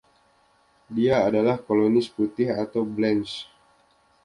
Dia adalah kolonis putih, atau “blancs”.